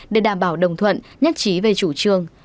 để đảm bảo đồng thuận nhất trí về chủ trương